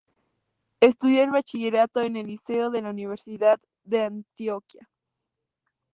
Estudió el bachillerato en el Liceo de la Universidad de Antioquia.